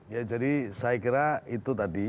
ya jadi saya kira itu tadi